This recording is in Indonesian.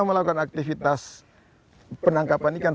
melakukan aktivitas penangkapan ikan